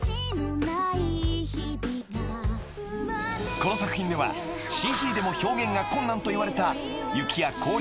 ［この作品ではＣＧでも表現が困難といわれた］